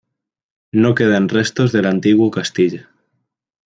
No quedan restos del antiguo castillo.